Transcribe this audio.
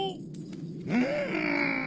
うん！